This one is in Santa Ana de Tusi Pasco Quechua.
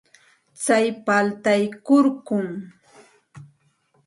Tsay paltay kurkum.